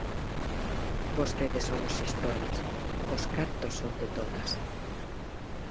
Vostedes son os xestores, os cartos son de todas.